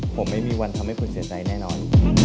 ผมไม่มีวันทำให้คุณเสียใจแน่นอน